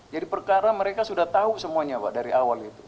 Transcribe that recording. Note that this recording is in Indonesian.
jadi perkara mereka sudah tahu semuanya pak dari awal itu